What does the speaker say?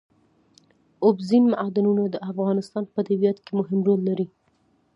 اوبزین معدنونه د افغانستان په طبیعت کې مهم رول لري.